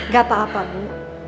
gak apa apa ibu